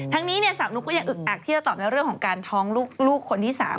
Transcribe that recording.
นี้สาวนุ๊กก็ยังอึกอักที่จะตอบในเรื่องของการท้องลูกคนที่๓